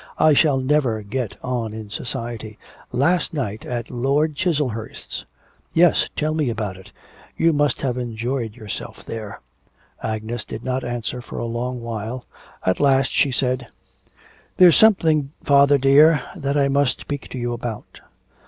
I shall never get on in society. Last night at Lord Chiselhurst's ' 'Yes; tell me about it. You must have enjoyed yourself there.' Agnes did not answer for a long while, at last she said, 'There's something, father, dear, that I must speak to you about....